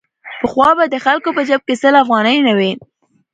پخوا به د خلکو په جېب کې سل افغانۍ نه وې.